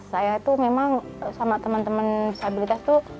saya tuh memang sama temen temen disabilitas tuh